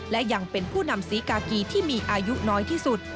และยังเป็นผู้นำศรีกากีที่มีอายุน้อยที่สุด